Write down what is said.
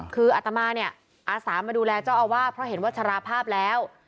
คืออัตมาเนี่ยอาสามาดูแลเจ้าอาวาสเพราะเห็นว่าชราภาพแล้ว